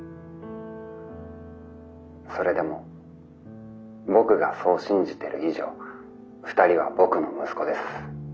それでも僕がそう信じてる以上２人は僕の息子です。